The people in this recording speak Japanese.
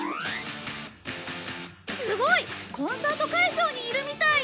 すごい！コンサート会場にいるみたい。